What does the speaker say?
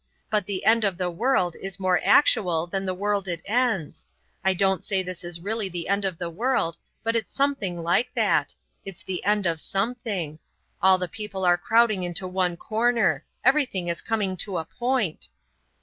But the end of the world is more actual than the world it ends. I don't say this is really the end of the world, but it's something like that it's the end of something. All the people are crowding into one corner. Everything is coming to a point."